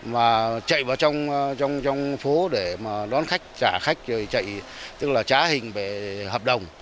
mà chạy vào trong phố để mà đón khách trả khách rồi chạy tức là trả hình về hợp đồng